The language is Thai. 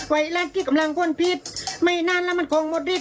ไหวและกิ๊กกำลังคนผิดไม่นานแล้วมันคงหมดฤทธิ์